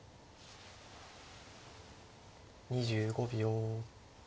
２５秒。